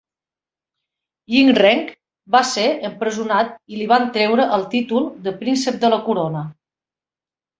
Yinreng va ser empresonat i li van treure el títol de Príncep de la Corona.